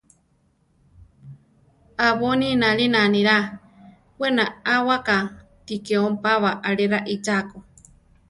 Abóni nalína anirá; we naʼáwaka ti ke ompába ale raíchako.